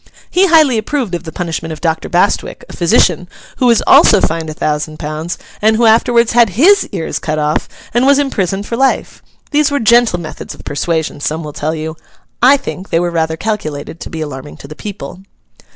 He highly approved of the punishment of Doctor Bastwick, a physician; who was also fined a thousand pounds; and who afterwards had his ears cut off, and was imprisoned for life. These were gentle methods of persuasion, some will tell you: I think, they were rather calculated to be alarming to the people.